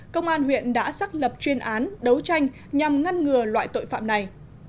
công an huyện đã xác lập chuyên án đấu tranh nhằm ngăn ngừa loại tội phạm này